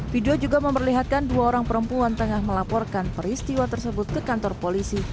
video juga memperlihatkan dua orang perempuan tengah melaporkan peristiwa tersebut ke kantor polisi